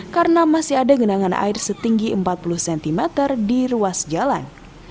karena masih ada genangan air setinggi empat puluh cm di ruas jalan